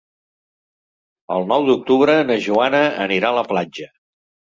El nou d'octubre na Joana anirà a la platja.